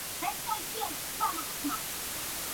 La muerte del emperador puso fin al asedio.